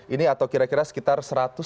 ini atau kira kira sekitar satu ratus tiga belas